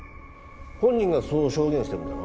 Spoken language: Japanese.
本人がそう証言してるんだな？